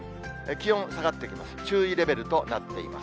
気温下がってきます。